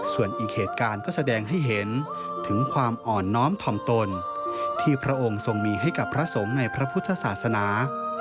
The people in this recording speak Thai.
ส่วนอีกเหตุการณ์ก็แสดงให้เห็นถึงความอ่อนน้อมถ่อมตนที่พระองค์ทรงมีให้กับพระสงฆ์ในพระพุทธศาสนา